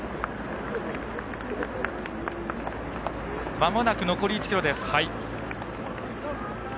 まもなく残り１ｋｍです。